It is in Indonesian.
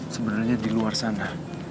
sebenarnya di luar sana